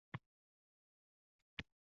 Sig’dimtor zindonga.